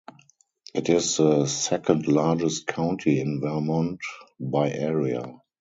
It is the second-largest county in Vermont by area.